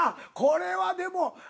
これはでも。